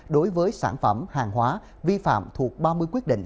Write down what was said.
đối với sản phẩm hàng hóa vi phạm thuộc ba mươi quyết định